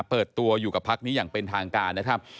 เปิดตัวอยู่กับพักนี้อย่างเป็นทางการนะครับ